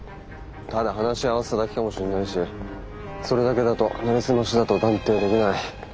ただ話合わせただけかもしれないしそれだけだとなりすましだと断定できない。